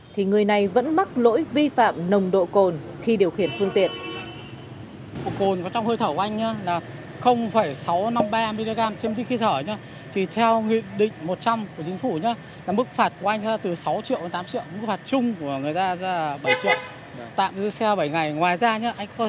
thì người này vẫn mắc lỗi vi phạm nồng độ cồn khi điều khiển phương tiện